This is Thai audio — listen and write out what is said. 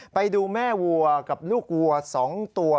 ไปดูแม่วัวกับลูกวัว๒ตัว